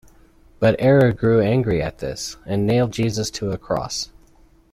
But Error grew angry at this, and nailed Jesus to a cross.